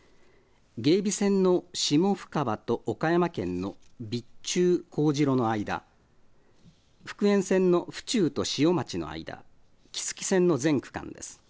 芸備線の狩留家と岡山県の備中神代の間、福塩線の府中と塩町の間、木次線の全区間です。